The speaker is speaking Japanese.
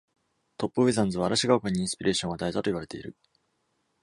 Top Withens は、「嵐が丘」にインスピレーションを与えたと言われている。